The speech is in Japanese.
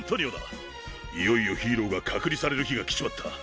いよいよヒーローが隔離される日が来ちまった。